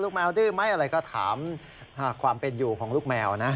แมวดื้อไหมอะไรก็ถามความเป็นอยู่ของลูกแมวนะ